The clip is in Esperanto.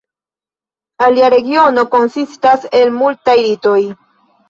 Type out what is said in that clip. Ilia religio konsistas el multaj ritoj.